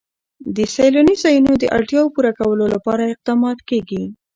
د سیلاني ځایونو د اړتیاوو پوره کولو لپاره اقدامات کېږي.